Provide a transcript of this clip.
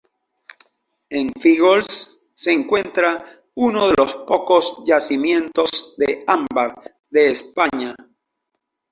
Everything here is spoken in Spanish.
En Fígols se encuentra unos de los pocos yacimientos de ámbar de España.